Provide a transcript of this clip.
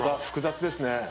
複雑ですね。